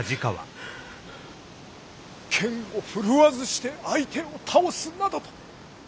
剣を振るわずして相手を倒すなどと！